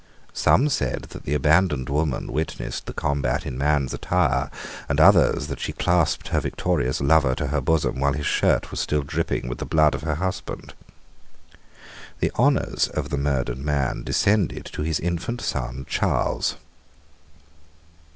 Some said that the abandoned woman witnessed the combat in man's attire, and others that she clasped her victorious lover to her bosom while his shirt was still dripping with the blood of her husband. The honours of the murdered man descended to his infant son Charles.